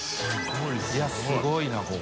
いやすごいなここ。